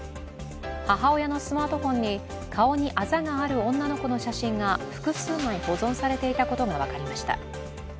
母親のスマートフォンに顔にあざがある女の子の写真が複数枚保存されていたことが分かりました。